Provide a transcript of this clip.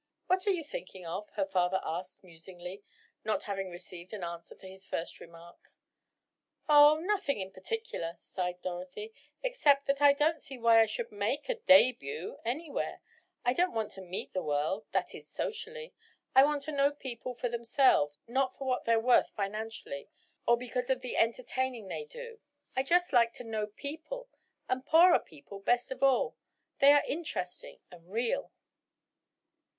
"What are you thinking of?" her father asked musingly, not having received an answer to his first remark. "Oh, nothing in particular," sighed Dorothy, "except that I don't see why I should make a debut anywhere. I don't want to meet the world,—that is, socially. I want to know people for themselves, not for what they're worth financially or because of the entertaining they do. I just like to know people—and poorer people best of all. They are interesting and real."